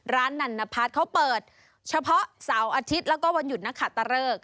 นันนพัฒน์เขาเปิดเฉพาะเสาร์อาทิตย์แล้วก็วันหยุดนักขาตะเริก